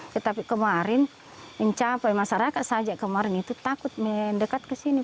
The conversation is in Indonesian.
tetapi kemarin mencapai masyarakat saja kemarin itu takut mendekat ke sini